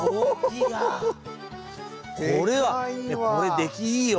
これはこれ出来いいよ！